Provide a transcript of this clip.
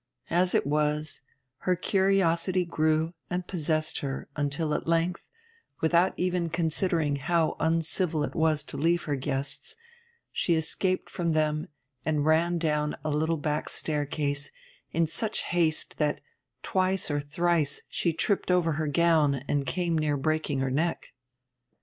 As it was, her curiosity grew and possessed her until at length, without even considering how uncivil it was to leave her guests, she escaped from them and ran down a little back staircase, in such haste that twice or thrice she tripped over her gown and came near breaking her neck.